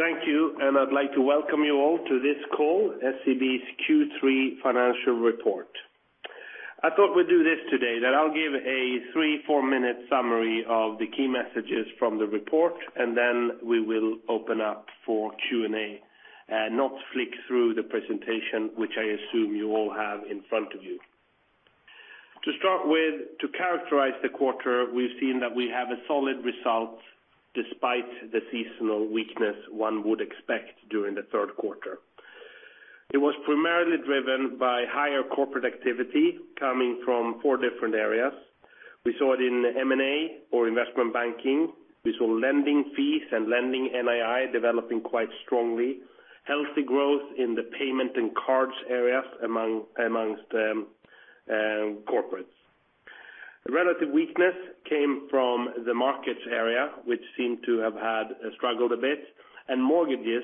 Thank you. I would like to welcome you all to this call, SEB's Q3 financial report. I thought we would do this today, that I will give a 3, 4-minute summary of the key messages from the report, then we will open up for Q&A, not flick through the presentation, which I assume you all have in front of you. To start with, to characterize the quarter, we have seen that we have a solid result despite the seasonal weakness one would expect during the third quarter. It was primarily driven by higher corporate activity coming from 4 different areas. We saw it in M&A or investment banking. We saw lending fees and lending NII developing quite strongly. Healthy growth in the payment and cards areas amongst the corporates. The relative weakness came from the markets area, which seemed to have struggled a bit, mortgages,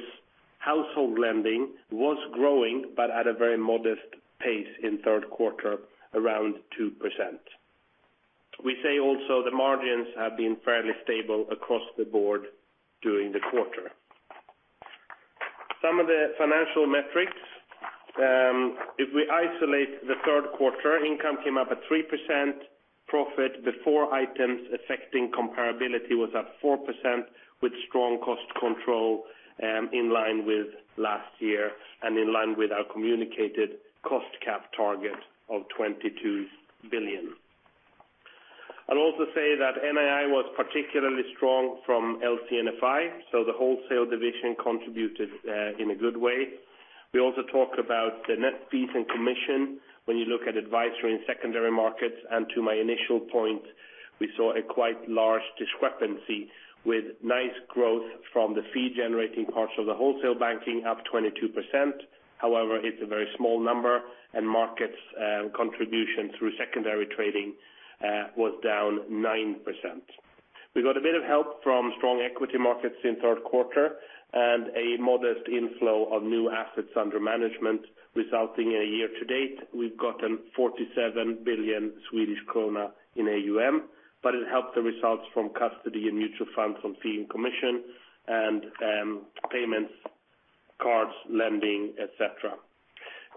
household lending was growing, but at a very modest pace in the third quarter, around 2%. We also say the margins have been fairly stable across the board during the quarter. Some of the financial metrics. If we isolate the third quarter, income came up at 3%, profit before items affecting comparability was at 4%, with strong cost control in line with last year and in line with our communicated cost cap target of 22 billion. I will also say that NII was particularly strong from LC&FI, so the wholesale division contributed in a good way. We also talk about the net fees and commission when you look at advisory and secondary markets, to my initial point, we saw a quite large discrepancy with nice growth from the fee-generating parts of the wholesale banking up 22%. However, it is a very small number, markets contribution through secondary trading was down 9%. We got a bit of help from strong equity markets in the third quarter a modest inflow of new assets under management, resulting in a year to date, we have gotten 47 billion Swedish krona in AUM, but it helped the results from custody and mutual funds on fee and commission payments, cards, lending, et cetera,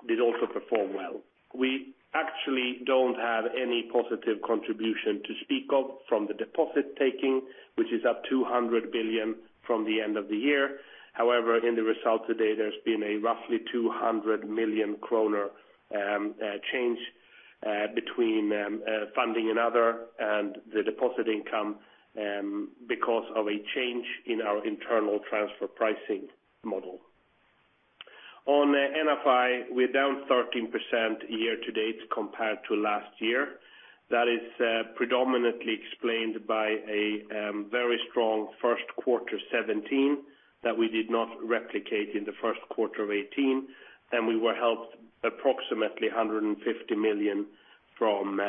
did also perform well. We actually do not have any positive contribution to speak of from the deposit taking, which is up 200 billion from the end of the year. However, in the results today, there has been a roughly 200 million kronor change between funding and other and the deposit income because of a change in our internal transfer pricing model. On NFI, we are down 13% year-to-date compared to last year. That is predominantly explained by a very strong first quarter 2017 that we did not replicate in the first quarter of 2018, we were helped approximately 150 million from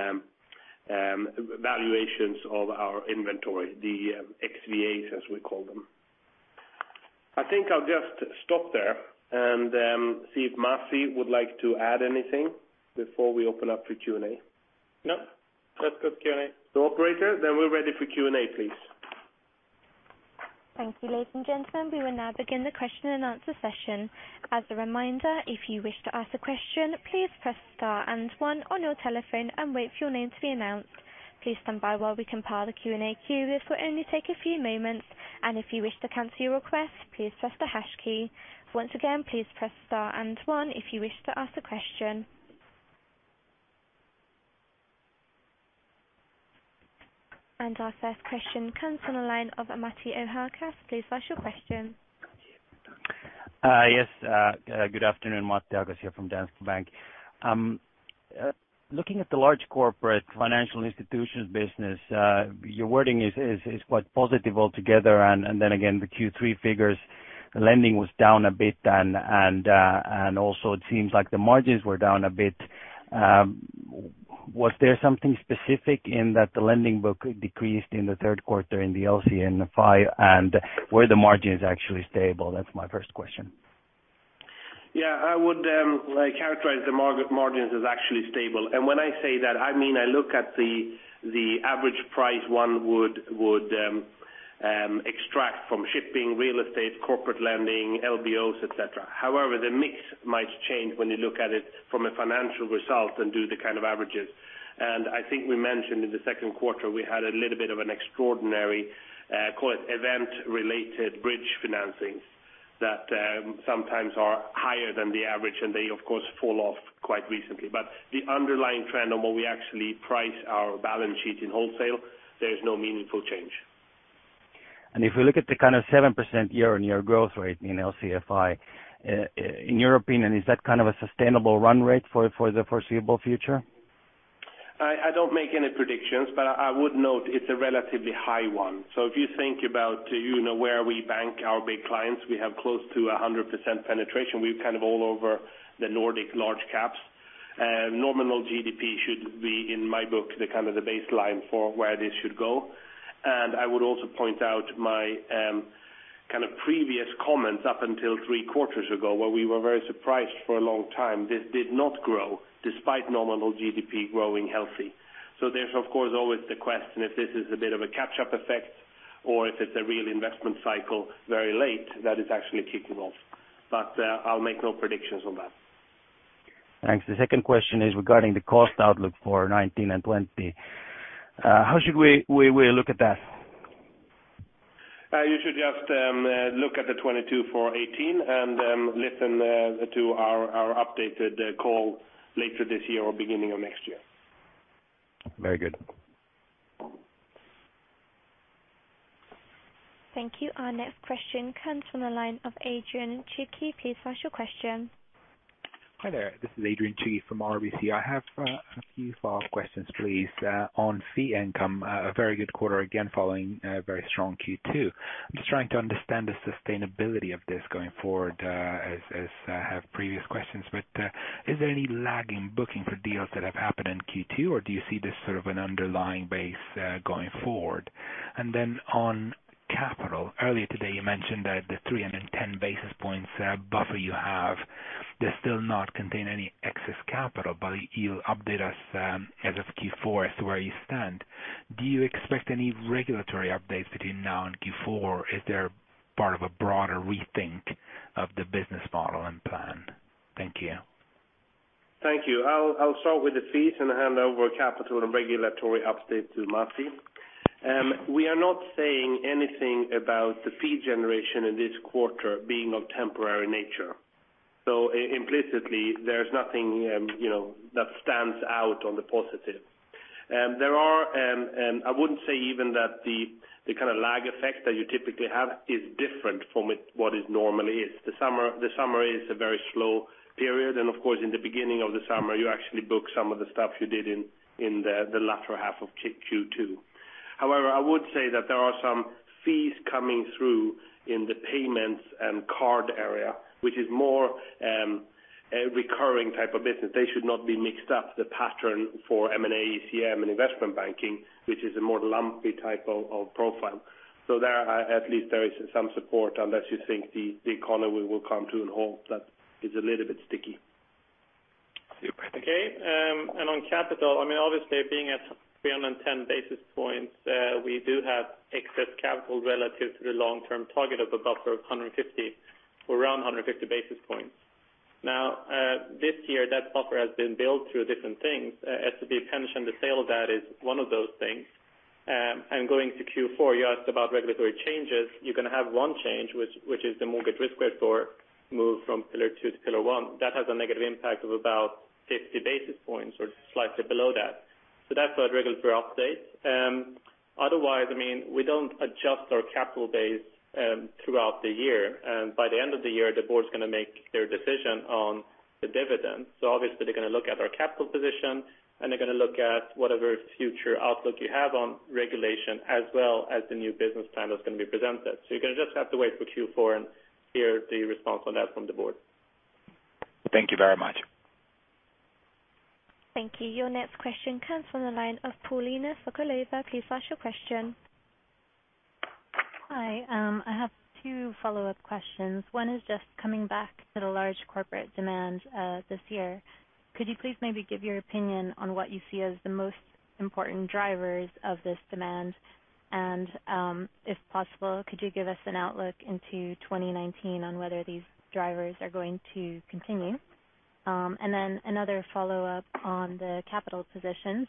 valuations of our inventory, the XVAs, as we call them. I think I will just stop there and see if Maciej would like to add anything before we open up for Q&A. No. Let's go to Q&A. Operator, we're ready for Q&A, please. Thank you, ladies and gentlemen. We will now begin the question and answer session. As a reminder, if you wish to ask a question, please press star and one on your telephone and wait for your name to be announced. Please stand by while we compile the Q&A queue. This will only take a few moments, and if you wish to cancel your request, please press the hash key. Once again, please press star and one if you wish to ask a question. Our first question comes from the line of Matti Ahokas. Please flash your question. Yes. Good afternoon, Matti Ahokas here from Danske Bank. Looking at the large corporate financial institutions business your wording is quite positive altogether and then again, the Q3 figures lending was down a bit and also it seems like the margins were down a bit. Was there something specific in that the lending book decreased in the third quarter in the LC&FI and were the margins actually stable? That's my first question. Yeah, I would characterize the margins as actually stable, when I say that, I mean I look at the average price one would extract from shipping, real estate, corporate lending, LBOs, et cetera. However, the mix might change when you look at it from a financial result and do the kind of averages. I think we mentioned in the second quarter, we had a little bit of an extraordinary, call it event-related bridge financing that sometimes are higher than the average, they of course, fall off quite recently. The underlying trend on what we actually price our balance sheet in wholesale, there is no meaningful change. If we look at the kind of 7% year-on-year growth rate in LC&FI, in your opinion, is that a sustainable run rate for the foreseeable future? I don't make any predictions, I would note it's a relatively high one. If you think about where we bank our big clients, we have close to 100% penetration. We're all over the Nordic large caps. Nominal GDP should be, in my book, the baseline for where this should go. I would also point out my previous comments up until three quarters ago, where we were very surprised for a long time this did not grow despite nominal GDP growing healthy. There's of course, always the question if this is a bit of a catch-up effect or if it's a real investment cycle very late that is actually kicking off. I'll make no predictions on that. Thanks. The second question is regarding the cost outlook for 2019 and 2020. How should we look at that? You should just look at the 22 for 18 and then listen to our updated call later this year or beginning of next year. Very good. Thank you. Our next question comes from the line of Adrian Tcheukui. Please flash your question. Hi there. This is Adrian Tcheukui from RBC. I have a few follow-up questions, please, on fee income. A very good quarter, again, following a very strong Q2. I'm just trying to understand the sustainability of this going forward, as have previous questions, but is there any lagging booking for deals that have happened in Q2, or do you see this sort of an underlying base going forward? Then on capital, earlier today, you mentioned that the 310 basis points buffer you have does still not contain any excess capital, but you'll update us as of Q4 as to where you stand. Do you expect any regulatory updates between now and Q4? Is there part of a broader rethink of the business model and plan? Thank you. Thank you. I'll start with the fees and hand over capital and regulatory updates to Matti. We are not saying anything about the fee generation in this quarter being of temporary nature. Implicitly, there's nothing that stands out on the positive. I wouldn't say even that the lag effect that you typically have is different from what it normally is. The summer is a very slow period, and of course, in the beginning of the summer, you actually book some of the stuff you did in the latter half of Q2. However, I would say that there are some fees coming through in the payments and card area, which is more a recurring type of business. They should not be mixed up the pattern for M&A, ECM, and investment banking, which is a more lumpy type of profile. There, at least there is some support unless you think the economy will come to a halt. That is a little bit sticky. Super. Okay. On capital, obviously being at 310 basis points, we do have excess capital relative to the long-term target of a buffer of around 150 basis points. Now, this year, that buffer has been built through different things. SEB Pension, the sale of that is one of those things. Going to Q4, you asked about regulatory changes. You're going to have one change, which is the mortgage risk weight floor move from Pillar 2 to Pillar 1. That has a negative impact of about 50 basis points or slightly below that. That's our regulatory update. Otherwise, we don't adjust our capital base throughout the year. By the end of the year, the board's going to make their decision on the dividend. Obviously, they're going to look at our capital position, and they're going to look at whatever future outlook you have on regulation as well as the new business plan that's going to be presented. You're going to just have to wait for Q4 and hear the response on that from the board. Thank you very much. Thank you. Your next question comes from the line of Paulina Sokolova. Please flash your question. Hi. I have two follow-up questions. One is just coming back to the large corporate demand this year. Could you please maybe give your opinion on what you see as the most important drivers of this demand? If possible, could you give us an outlook into 2019 on whether these drivers are going to continue? Another follow-up on the capital position.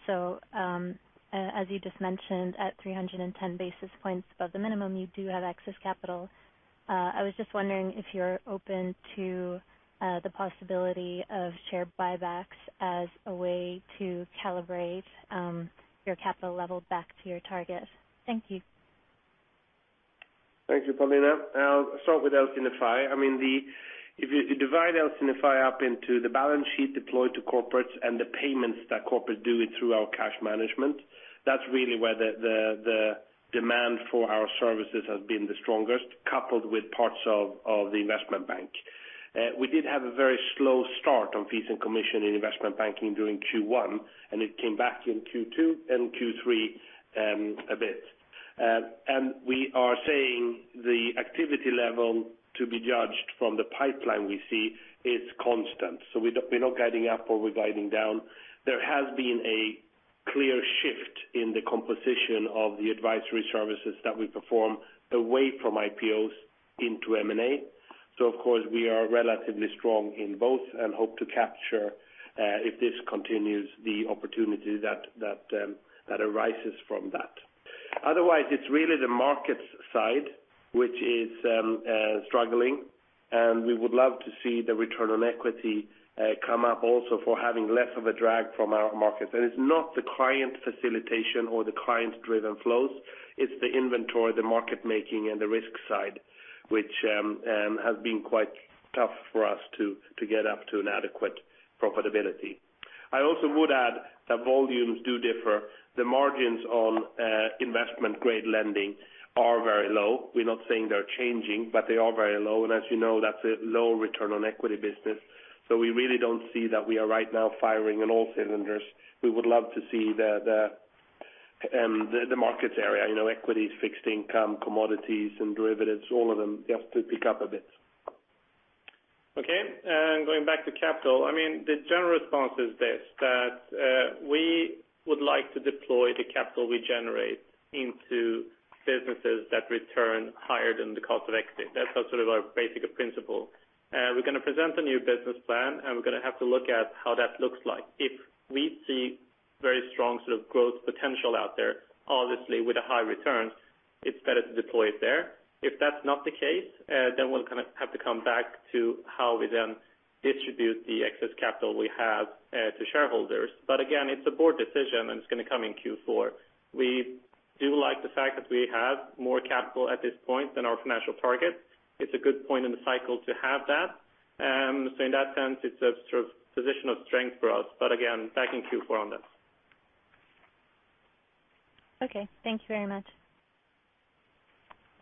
As you just mentioned, at 310 basis points above the minimum, you do have excess capital. I was just wondering if you're open to the possibility of share buybacks as a way to calibrate your capital level back to your target. Thank you. Thank you, Paulina. I'll start with LC&FI. If you divide LC&FI up into the balance sheet deployed to corporates and the payments that corporates do through our cash management. That's really where the demand for our services has been the strongest, coupled with parts of the investment bank. We did have a very slow start on fees and commission in investment banking during Q1, it came back in Q2 and Q3 a bit. We are saying the activity level to be judged from the pipeline we see is constant. We're not guiding up or we're guiding down. There has been a clear shift in the composition of the advisory services that we perform away from IPOs into M&A. Of course, we are relatively strong in both and hope to capture if this continues, the opportunity that arises from that. Otherwise, it's really the markets side, which is struggling. We would love to see the return on equity come up also for having less of a drag from our markets. It's not the client facilitation or the client-driven flows. It's the inventory, the market making, and the risk side, which has been quite tough for us to get up to an adequate profitability. I also would add that volumes do differ. The margins on investment-grade lending are very low. We're not saying they're changing, but they are very low. As you know, that's a low return on equity business. We really don't see that we are right now firing on all cylinders. We would love to see the markets area, equities, fixed income, commodities, and derivatives, all of them just to pick up a bit. Okay. Going back to capital. The general response is this, that we would like to deploy the capital we generate into businesses that return higher than the cost of equity. That's our basic principle. We're going to present a new business plan, and we're going to have to look at how that looks like. If we see very strong growth potential out there, obviously with a high return, it's better to deploy it there. If that's not the case, then we'll have to come back to how we then distribute the excess capital we have to shareholders. Again, it's a board decision, and it's going to come in Q4. We do like the fact that we have more capital at this point than our financial targets. It's a good point in the cycle to have that. In that sense, it's a position of strength for us. Again, back in Q4 on this. Okay. Thank you very much.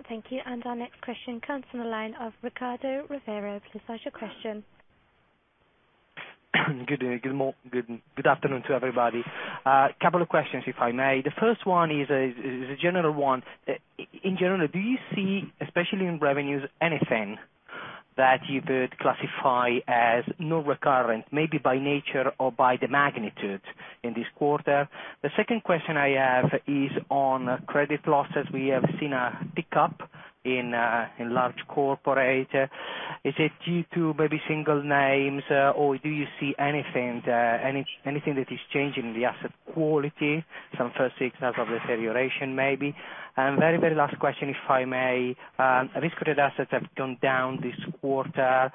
Thank you. Our next question comes from the line of Riccardo Rovere. Please flash your question. Good day. Good afternoon to everybody. A couple of questions, if I may. The first one is a general one. In general, do you see, especially in revenues, anything that you could classify as non-recurrent, maybe by nature or by the magnitude in this quarter? The second question I have is on credit losses. We have seen a pickup in large corporate. Is it due to maybe single names, or do you see anything that is changing the asset quality? Some first signals of deterioration, maybe. Very last question, if I may. Risk-weighted assets have gone down this quarter.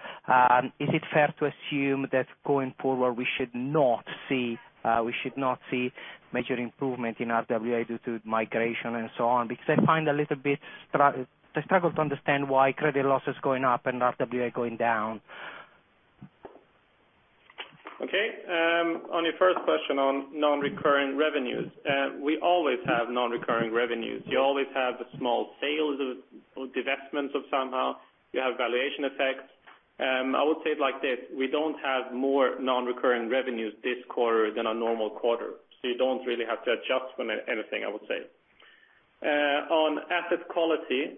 Is it fair to assume that going forward, we should not see major improvement in RWA due to migration and so on? Because I struggle to understand why credit loss is going up and RWA going down. Okay. On your first question on non-recurring revenues, we always have non-recurring revenues. You always have the small sales or divestments of somehow you have valuation effects. I would say it like this, we don't have more non-recurring revenues this quarter than a normal quarter. You don't really have to adjust for anything, I would say. On asset quality,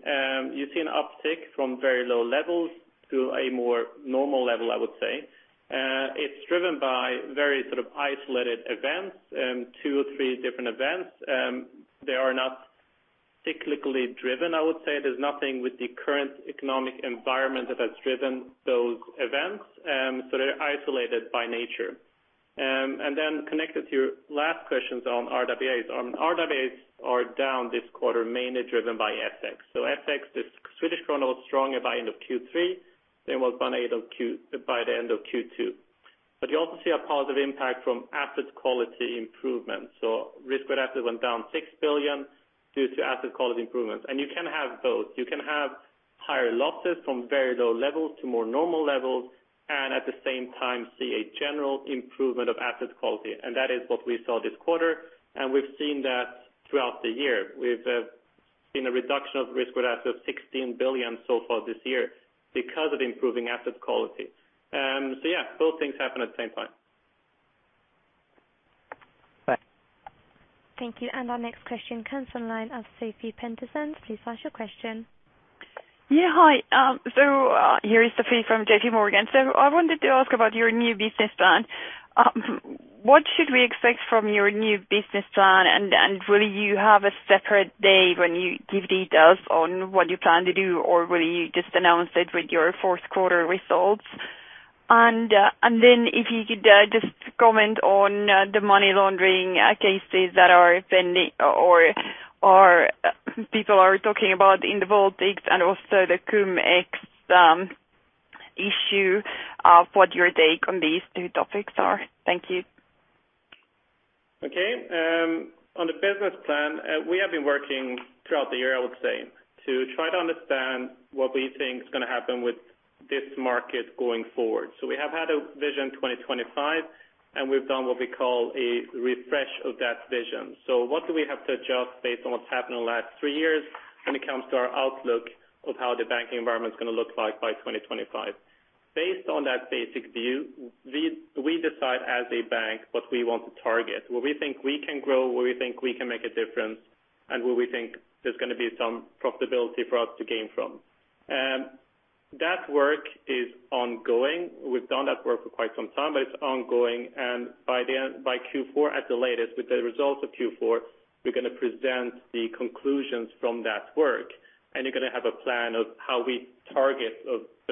you see an uptick from very low levels to a more normal level, I would say. It's driven by very isolated events two or three different events. They are not cyclically driven, I would say. There's nothing with the current economic environment that has driven those events. They're isolated by nature. Then connected to your last questions on RWAs. RWAs are down this quarter, mainly driven by FX. FX, the Swedish krona was stronger by end of Q3 than it was by the end of Q2. You also see a positive impact from asset quality improvements. Risk-adjusted went down six billion due to asset quality improvements. You can have both. You can have higher losses from very low levels to more normal levels, and at the same time see a general improvement of asset quality, and that is what we saw this quarter, and we've seen that throughout the year. We've seen a reduction of risk-weighted assets of 16 billion so far this year because of improving asset quality. Yes, both things happen at the same time. Thanks. Thank you. Our next question comes from the line of Sophie Peterzens. Please flash your question. Yeah. Hi. Here is Sophie from JP Morgan. I wanted to ask about your new business plan. Will you have a separate day when you give details on what you plan to do, or will you just announce it with your fourth quarter results? If you could just comment on the money laundering cases that people are talking about in the Baltics and also the Cum-Ex issue, what your take on these two topics are. Thank you. Okay. On the business plan, we have been working throughout the year, I would say, to try to understand what we think is going to happen with this market going forward. We have had a Vision 2025, and we've done what we call a refresh of that vision. What do we have to adjust based on what's happened in the last three years when it comes to our outlook of how the banking environment is going to look like by 2025? Based on that basic view, we decide as a bank what we want to target, where we think we can grow, where we think we can make a difference, and where we think there's going to be some profitability for us to gain from. That work is ongoing. We've done that work for quite some time, but it's ongoing, and by Q4 at the latest, with the results of Q4, we're going to present the conclusions from that work, and you're going to have a plan of how we target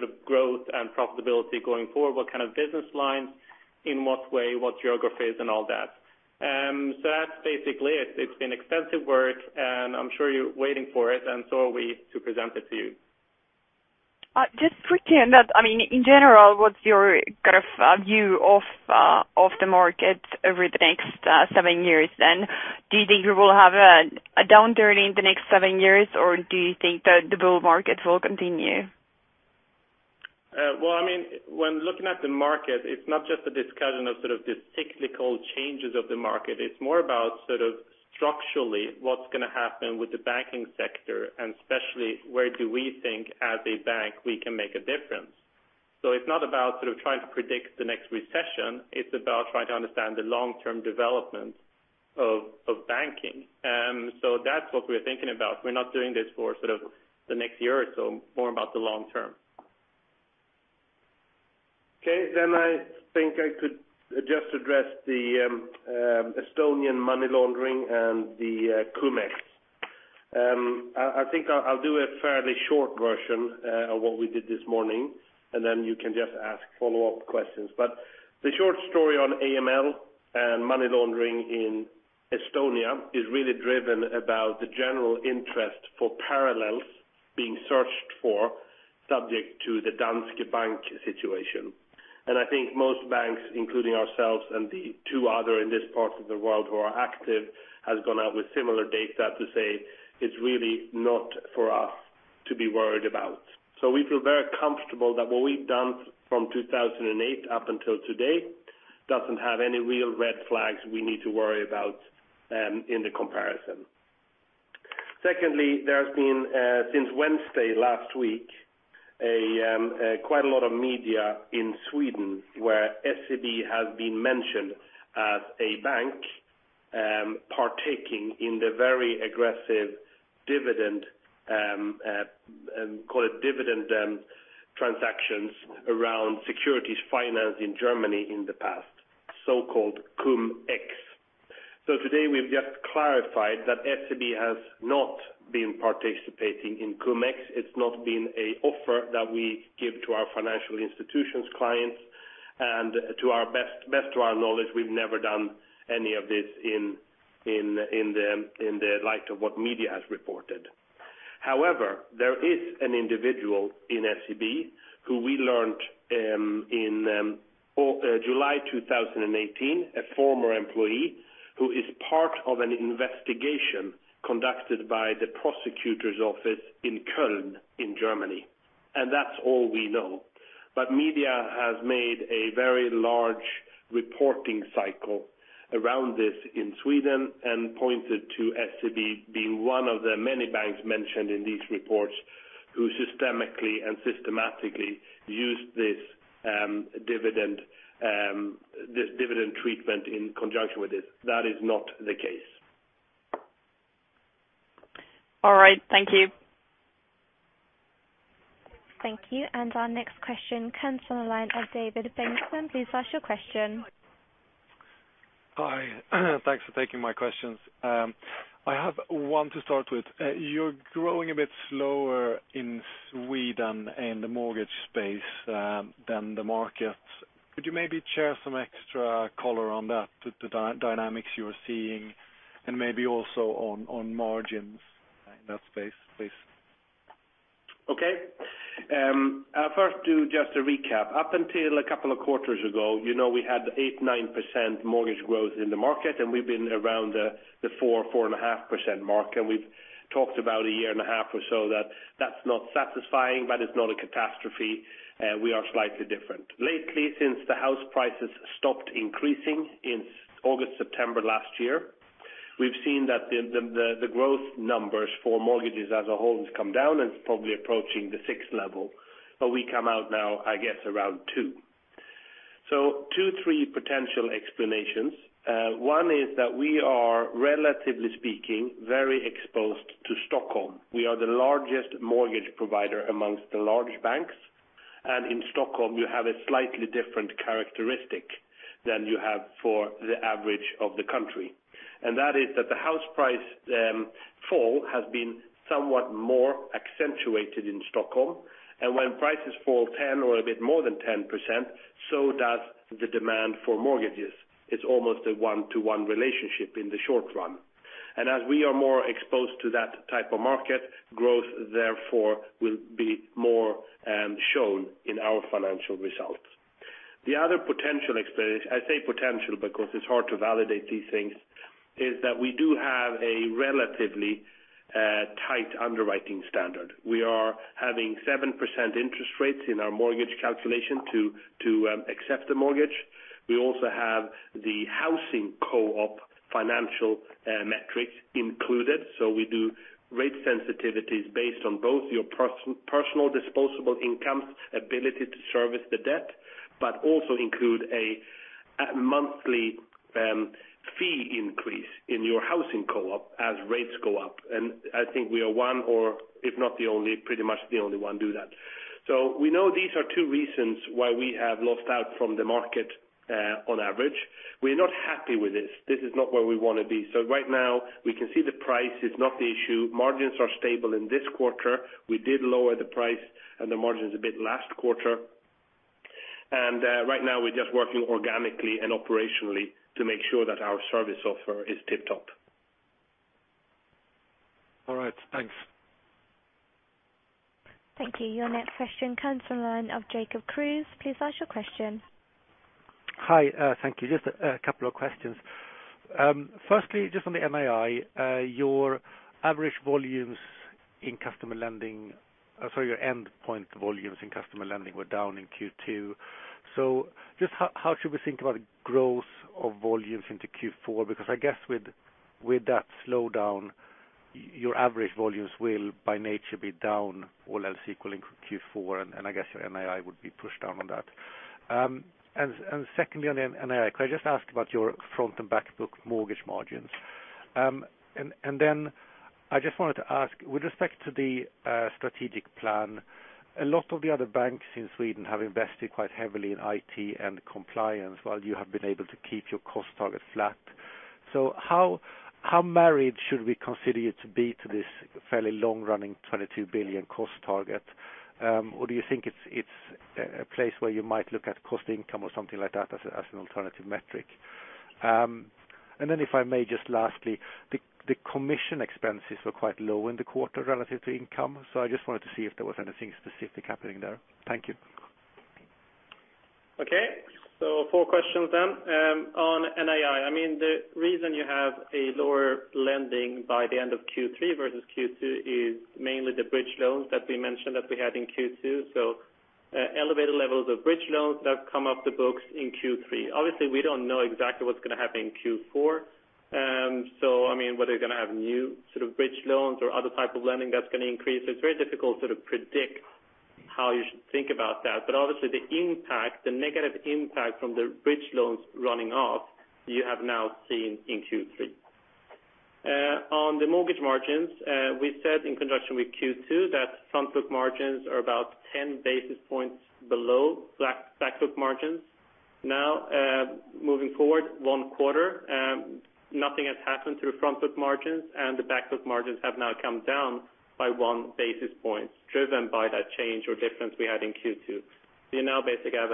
a growth and profitability going forward, what kind of business lines, in what way, what geographies and all that. That's basically it. It's been extensive work, and I'm sure you're waiting for it, and so are we to present it to you. Just quickly on that, in general, what's your view of the market over the next seven years then? Do you think we will have a downturn in the next seven years, or do you think that the bull market will continue? Well, when looking at the market, it's not just a discussion of the cyclical changes of the market. It's more about structurally what's going to happen with the banking sector, and especially where do we think as a bank we can make a difference. It's not about trying to predict the next recession. It's about trying to understand the long-term development of banking. That's what we're thinking about. We're not doing this for the next year or so, more about the long term. Okay. I think I could just address the Estonian money laundering and the Cum-Ex. I think I'll do a fairly short version of what we did this morning, and then you can just ask follow-up questions. The short story on AML and money laundering in Estonia is really driven about the general interest for parallels being searched for subject to the Danske Bank situation. I think most banks, including ourselves and the two other in this part of the world who are active, has gone out with similar data to say it's really not for us to be worried about. We feel very comfortable that what we've done from 2008 up until today doesn't have any real red flags we need to worry about in the comparison. Secondly, there has been, since Wednesday last week, quite a lot of media in Sweden where SEB has been mentioned as a bank partaking in the very aggressive dividend transactions around securities finance in Germany in the past, so-called Cum-Ex. Today we've just clarified that SEB has not been participating in Cum-Ex. It's not been an offer that we give to our financial institutions clients, and to the best of our knowledge, we've never done any of this in the light of what media has reported. However, there is an individual in SEB who we learned in July 2018, a former employee, who is part of an investigation conducted by the prosecutor's office in Köln, in Germany. That's all we know. media has made a very large reporting cycle around this in Sweden and pointed to SEB being one of the many banks mentioned in these reports who systemically and systematically used this dividend treatment in conjunction with it. That is not the case. All right. Thank you. Thank you. Our next question comes from the line of David Bengtsson. Please ask your question. Hi. Thanks for taking my questions. I have one to start with. You're growing a bit slower in Sweden in the mortgage space than the market. Could you maybe share some extra color on that, the dynamics you're seeing, and maybe also on margins in that space, please? Okay. I'll first do just a recap. Up until a couple of quarters ago, we had 8%, 9% mortgage growth in the market, we've been around the 4%, 4.5% mark. We've talked about a year and a half or so that that's not satisfying, but it's not a catastrophe. We are slightly different. Lately, since the house prices stopped increasing in August, September last year, we've seen that the growth numbers for mortgages as a whole has come down and is probably approaching the 6 level. We come out now, I guess, around two. Two, three potential explanations. One is that we are, relatively speaking, very exposed to Stockholm. We are the largest mortgage provider amongst the large banks. In Stockholm, you have a slightly different characteristic than you have for the average of the country. That is that the house price fall has been somewhat more accentuated in Stockholm. When prices fall 10 or a bit more than 10%, so does the demand for mortgages. It's almost a one-to-one relationship in the short run. As we are more exposed to that type of market, growth therefore will be more shown in our financial results. The other potential explanation, I say potential because it's hard to validate these things, is that we do have a relatively tight underwriting standard. We are having 7% interest rates in our mortgage calculation to accept the mortgage. We also have the housing co-op financial metrics included. We do rate sensitivities based on both your personal disposable income ability to service the debt, but also include a monthly fee increase in your housing co-op as rates go up. I think we are one or, if not the only, pretty much the only one do that. We know these are two reasons why we have lost out from the market on average. We're not happy with this. This is not where we want to be. Right now we can see the price is not the issue. Margins are stable in this quarter. We did lower the price and the margins a bit last quarter. Right now we're just working organically and operationally to make sure that our service offer is tip-top. All right. Thanks. Thank you. Your next question comes from the line of Jacob Kruse. Please ask your question. Hi. Thank you. Just a couple of questions. Firstly, just on the NII, your average volumes in customer lending, sorry, your end point volumes in customer lending were down in Q2. How should we think about growth of volumes into Q4? Because I guess with that slowdown, your average volumes will by nature be down all else equaling Q4, and I guess your NII would be pushed down on that. Secondly on NII, could I just ask about your front and back book mortgage margins? Then I just wanted to ask, with respect to the strategic plan, a lot of the other banks in Sweden have invested quite heavily in IT and compliance while you have been able to keep your cost target flat. How married should we consider you to be to this fairly long-running 22 billion cost target? Do you think it's a place where you might look at cost income or something like that as an alternative metric? Then if I may just lastly, the commission expenses were quite low in the quarter relative to income. I just wanted to see if there was anything specific happening there. Thank you. Okay. Four questions then. On NII, the reason you have a lower lending by the end of Q3 versus Q2 is mainly the bridge loans that we mentioned that we had in Q2. Elevated levels of bridge loans that come off the books in Q3. Obviously, we don't know exactly what's going to happen in Q4. Whether you're going to have new bridge loans or other type of lending that's going to increase, it's very difficult to predict how you should think about that. Obviously the negative impact from the bridge loans running off, you have now seen in Q3. On the mortgage margins, we said in conjunction with Q2 that front book margins are about 10 basis points below back book margins. Moving forward one quarter, nothing has happened to the front book margins, and the back book margins have now come down by one basis point, driven by that change or difference we had in Q2. You now basically have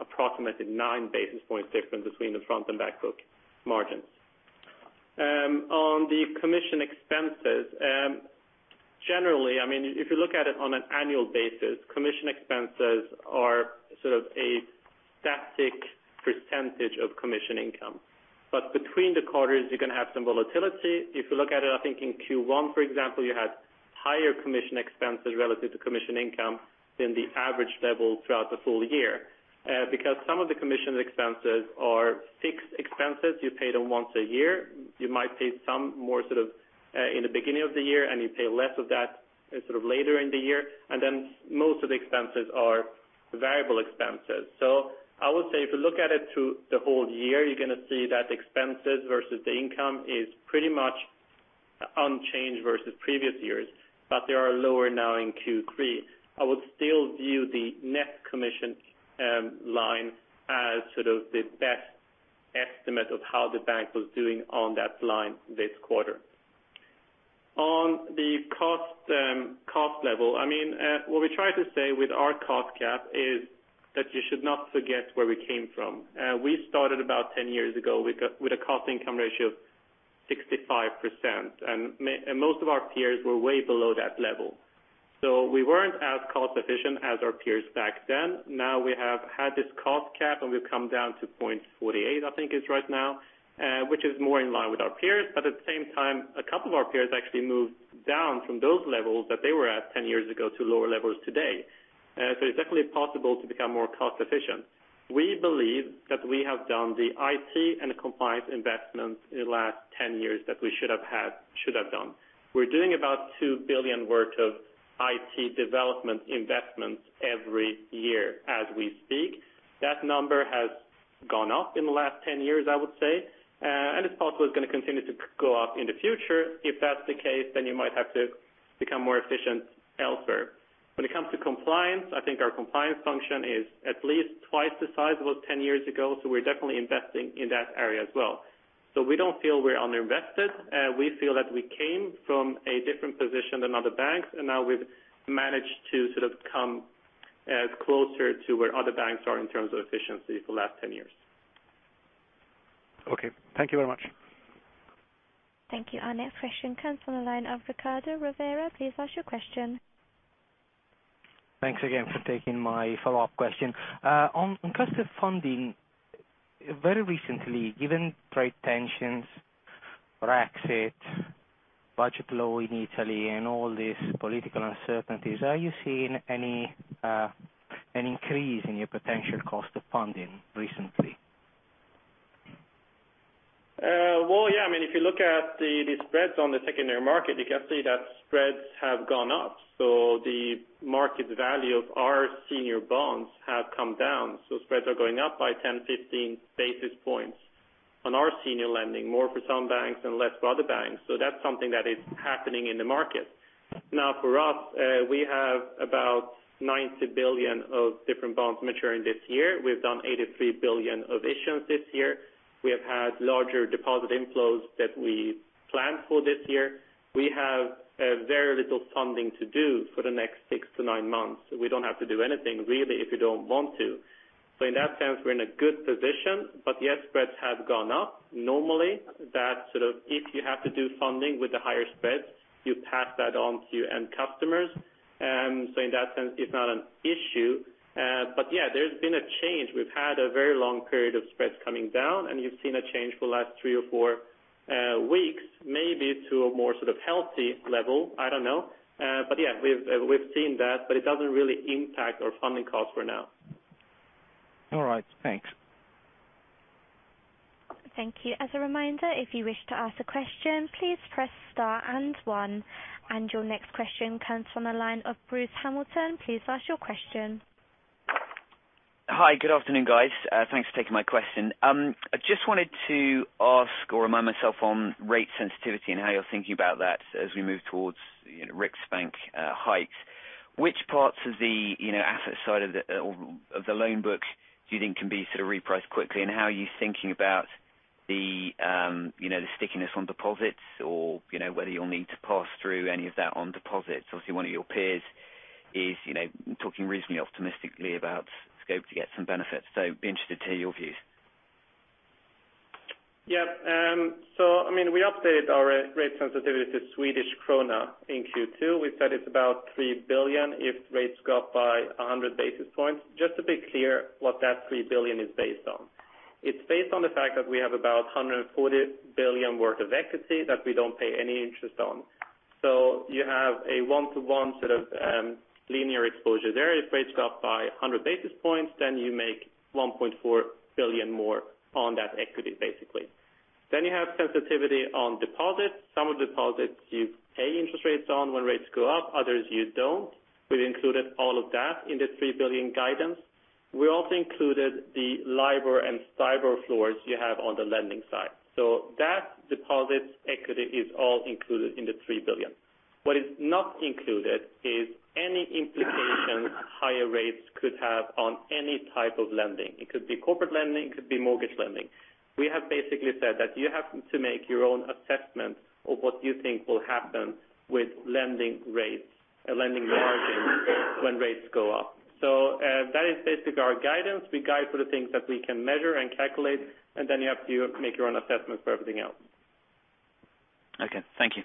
approximately nine basis points difference between the front and back book margins. On the commission expenses, generally, if you look at it on an annual basis, commission expenses are a static percentage of commission income. Between the quarters, you're going to have some volatility. If you look at it, I think in Q1, for example, you had higher commission expenses relative to commission income than the average level throughout the full year. Because some of the commission expenses are fixed expenses, you pay them once a year. You might pay some more in the beginning of the year, and you pay less of that later in the year. Most of the expenses are variable expenses. I would say if you look at it through the whole year, you're going to see that expenses versus the income is pretty much unchanged versus previous years, but they are lower now in Q3. I would still view the net commission line as the best estimate of how the bank was doing on that line this quarter. On the cost level, what we try to say with our cost cap is that you should not forget where we came from. We started about 10 years ago with a cost-income ratio of 65%, and most of our peers were way below that level. We weren't as cost-efficient as our peers back then. We have had this cost cap, and we've come down to 48%, I think it is right now, which is more in line with our peers. At the same time, a couple of our peers actually moved down from those levels that they were at 10 years ago to lower levels today. It's definitely possible to become more cost-efficient. We believe that we have done the IT and compliance investments in the last 10 years that we should have done. We're doing about 2 billion worth of IT development investments every year as we speak. That number has gone up in the last 10 years, I would say. It's possible it's going to continue to go up in the future. If that's the case, you might have to become more efficient elsewhere. When it comes to compliance, I think our compliance function is at least twice the size it was 10 years ago, we're definitely investing in that area as well. We don't feel we're underinvested. We feel that we came from a different position than other banks, and now we've managed to come as closer to where other banks are in terms of efficiency for the last 10 years. Okay. Thank you very much. Thank you. Our next question comes from the line of Riccardo Rovere. Please ask your question. Thanks again for taking my follow-up question. On customer funding, very recently, given trade tensions, Brexit, budget law in Italy, and all these political uncertainties, are you seeing an increase in your potential cost of funding recently? Well, yeah. If you look at the spreads on the secondary market, you can see that spreads have gone up. The market value of our senior bonds have come down. Spreads are going up by 10, 15 basis points on our senior lending, more for some banks and less for other banks. That's something that is happening in the market. For us, we have about 90 billion of different bonds maturing this year. We've done 83 billion of issuance this year. We have had larger deposit inflows that we planned for this year. We have very little funding to do for the next six to nine months. We don't have to do anything really if we don't want to. In that sense, we're in a good position. Yes, spreads have gone up. Normally, that if you have to do funding with the higher spreads, you pass that on to your end customers. In that sense, it's not an issue. Yeah, there's been a change. We've had a very long period of spreads coming down, and you've seen a change for the last three or four weeks, maybe to a more healthy level. I don't know. Yeah, we've seen that, but it doesn't really impact our funding cost for now. All right. Thanks. Thank you. As a reminder, if you wish to ask a question, please press star and one. Your next question comes from the line of Bruce Hamilton. Please ask your question Hi, good afternoon, guys. Thanks for taking my question. I just wanted to ask or remind myself on rate sensitivity and how you're thinking about that as we move towards Riksbank hikes. Which parts of the asset side of the loan book do you think can be repriced quickly, and how are you thinking about the stickiness on deposits or whether you'll need to pass through any of that on deposits? Obviously, one of your peers is talking reasonably optimistically about scope to get some benefits, be interested to hear your views. We updated our rate sensitivity to SEK in Q2. We said it is about 3 billion if rates go up by 100 basis points. Just to be clear what that 3 billion is based on. It is based on the fact that we have about 140 billion worth of equity that we do not pay any interest on. You have a one-to-one linear exposure there. If rates go up by 100 basis points, you make 1.4 billion more on that equity, basically. You have sensitivity on deposits. Some of the deposits you pay interest rates on when rates go up, others you do not. We have included all of that in the 3 billion guidance. We also included the LIBOR and STIBOR floors you have on the lending side. That deposit equity is all included in the 3 billion. What is not included is any implication higher rates could have on any type of lending. It could be corporate lending, it could be mortgage lending. We have basically said that you have to make your own assessment of what you think will happen with lending rates and lending margins when rates go up. That is basically our guidance. We guide for the things that we can measure and calculate, you have to make your own assessment for everything else. Okay. Thank you.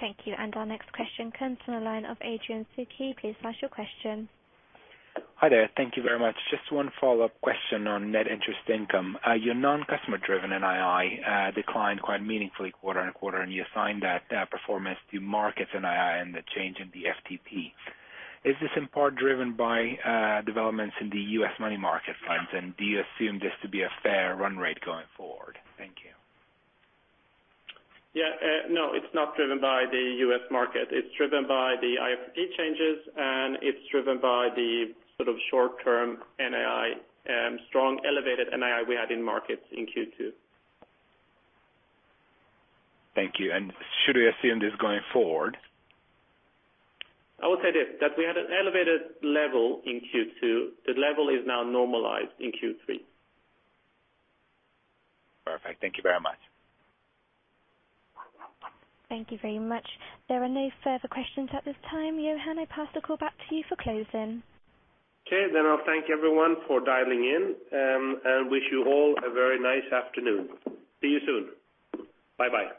Thank you. Our next question comes from the line of Adrian Tcheukui. Please ask your question. Hi there. Thank you very much. Just one follow-up question on net interest income. Your non-customer-driven NII declined quite meaningfully quarter-on-quarter, and you assigned that performance to markets NII and the change in the FTP. Is this in part driven by developments in the U.S. money market funds, and do you assume this to be a fair run rate going forward? Thank you. Yeah. No, it is not driven by the U.S. market. It is driven by the FTP changes. It is driven by the short-term NII, strong elevated NII we had in markets in Q2. Thank you. Should we assume this going forward? I would say this, that we had an elevated level in Q2. The level is now normalized in Q3. Perfect. Thank you very much. Thank you very much. There are no further questions at this time. Johan, I pass the call back to you for closing. Okay, I'll thank everyone for dialing in, and wish you all a very nice afternoon. See you soon. Bye-bye.